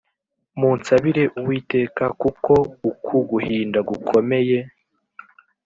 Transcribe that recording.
Munsabire uwiteka kuko uku guhinda gukomeye